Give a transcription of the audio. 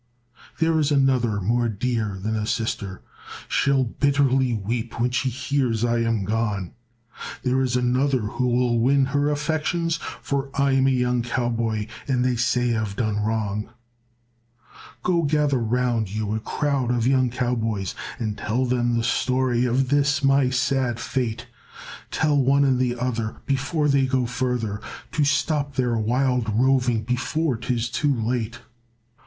"There is another more dear than a sister, She'll bitterly weep when she hears I am gone. There is another who will win her affections, For I'm a young cowboy and they say I've done wrong. "Go gather around you a crowd of young cowboys, And tell them the story of this my sad fate; Tell one and the other before they go further To stop their wild roving before 'tis too late.